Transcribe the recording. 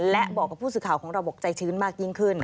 และบอกกับผู้สื่อข่าวของเราบอกใจชื้นมากยิ่งขึ้น